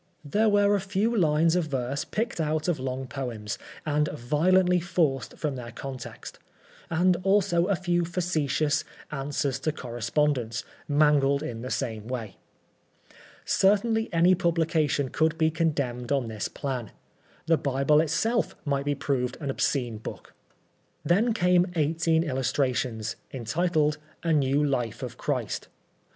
There were a few lines of verse picked out of long poems, and violently forced from their context ; and also a few facetious "Answers to Correspondents," mangled in the same way. Certainly any publication could be condemned on this plan. The Bible itself might be proved an obscene book. Then came eighteen illustrations, entitled " A New Life of Christ."